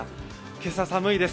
今朝、寒いです。